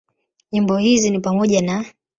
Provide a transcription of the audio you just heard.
Nyimbo hizo ni pamoja na;